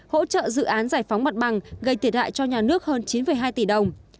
hỗ trợ dự án giải phóng mặt bằng gây thiệt hại cho nhà nước hơn chín hai tỷ đồng